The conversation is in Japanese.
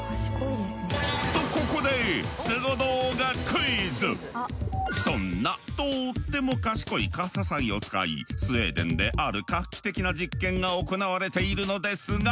とここでそんなとっても賢いカササギを使いスウェーデンである画期的な実験が行われているのですが。